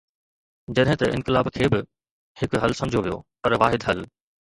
جڏهن ته انقلاب کي به هڪ حل سمجهيو ويو، پر واحد حل.